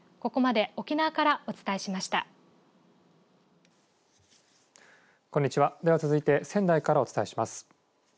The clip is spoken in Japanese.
では続いて仙台からお伝えします。